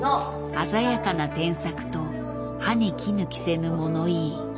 鮮やかな添削と歯に衣着せぬ物言い。